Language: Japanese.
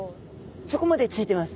そこまでついてます。